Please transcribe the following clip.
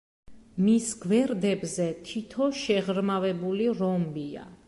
მის გვერდებზე თითო შეღრმავებული რომბია.